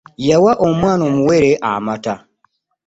Yawa omwana omuwere amata.